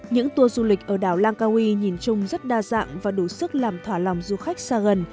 những tour du lịch ở đảo langkawi nhìn chung rất đa dạng và đủ sức làm tỏa lòng du khách xa gần